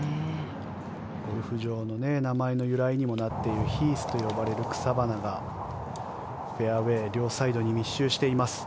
ゴルフ場の名前の由来にもなっているヒースと呼ばれる草花がフェアウェー両サイドに密集しています。